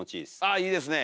あいいですね！